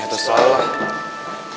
ya terus selalu lah